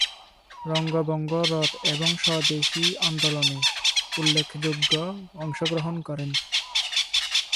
বঙ্গভঙ্গ রদ এবং স্বদেশী আন্দোলনে উল্লেখযোগ্য অংশগ্রহণ করেন।